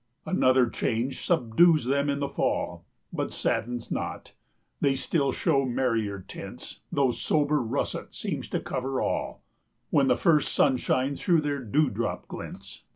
Another change subdues them in the Fall, But saddens not; they still show merrier tints, 135 Though sober russet seems to cover all; When the first sunshine through their dewdrops glints.